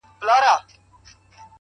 د سړک اوږدوالی د فکر تګ ورو کوي؛